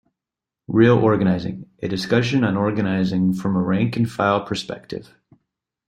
Real Organizing: A discussion on organising from a rank and file perspective.